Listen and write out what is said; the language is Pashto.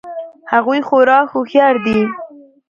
هغوی خورا هوښیار دي